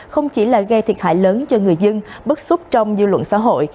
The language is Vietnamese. không chỉ là gây thiệt hại lớn cho người dân bức xúc trong dư luận xã hội